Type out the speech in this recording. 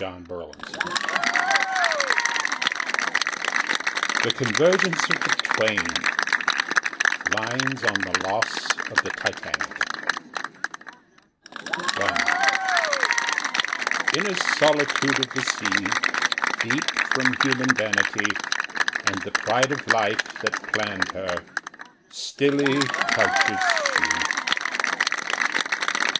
April 1914. THE CONVERGENCE OF THE TWAIN (Lines on the loss of the "Titanic") I IN a solitude of the sea Deep from human vanity, And the Pride of Life that planned her, stilly couches she.